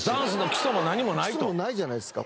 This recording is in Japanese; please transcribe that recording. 基礎もないじゃないですか。